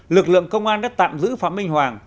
lực lượng công an đã tạm giữ phạm minh hoàng